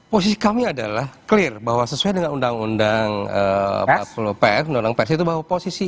posisi kami adalah clear bahwa sesuai dengan undang undang pers undang undang pers itu bahwa posisi